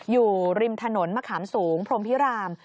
อยู่ริมถนนมะขามสูงพรมพิราม